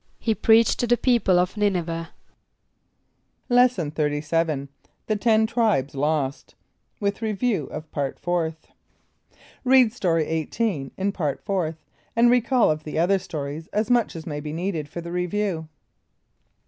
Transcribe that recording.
=He preached to the people of N[)i]n´e veh.= Lesson XXXVII. The Ten Tribes Lost; with Review of Part Fourth. (Read Story 18 in Part Fourth, and recall of the other stories as much as may be needed for the Review.)